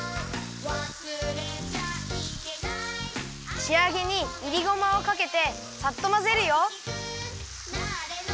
「わすれちゃイケナイ」しあげにいりごまをかけてさっとまぜるよ。